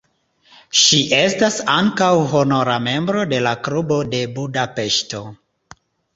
Ŝi estas ankaŭ honora membro de la Klubo de Budapeŝto.